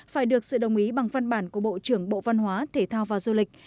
phải được sự đồng ý bằng văn bản của bộ trưởng bộ văn hóa thể thao và du lịch